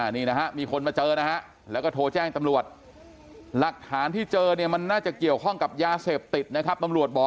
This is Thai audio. นี่นะฮะมีคนมาเจอนะฮะแล้วก็โทรแจ้งตำรวจ